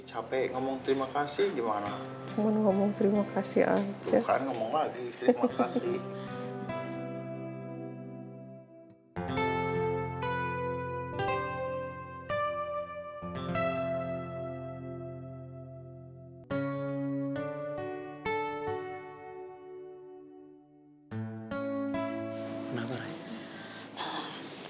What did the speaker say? capek ngomong terima kasih gimana ngomong terima kasih aja kan ngomong lagi terima kasih